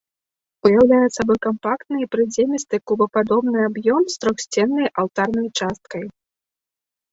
Уяўляе сабой кампактны і прыземісты кубападобны аб'ём з трохсценнай алтарнай часткай.